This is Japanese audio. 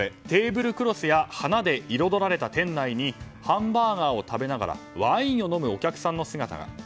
テーブルクロスや花で彩られた店内にハンバーガーを食べながらワインを飲むお客さんの姿が。